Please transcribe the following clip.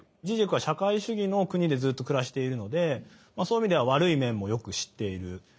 ジジェクは社会主義の国でずっと暮らしているのでそういう意味では悪い面もよく知っている。